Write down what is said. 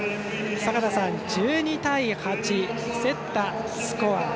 坂田さん、１２対８競ったスコア。